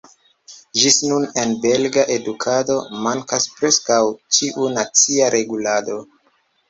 Ĝis nun en belga edukado mankas preskaŭ ĉiu nacia regulado.